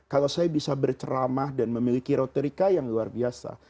kalau saya bisa berceramah dan memiliki reuterika yang luar biasa